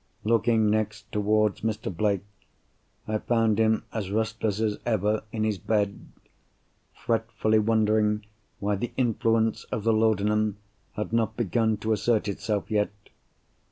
Looking next towards Mr. Blake, I found him as restless as ever in his bed; fretfully wondering why the influence of the laudanum had not begun to assert itself yet.